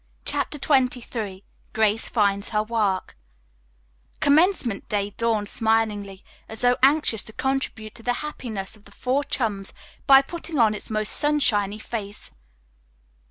CHAPTER XXIII GRACE FINDS HER WORK Commencement day dawned smilingly, as though anxious to contribute to the happiness of the four chums by putting on its most sunshiny face.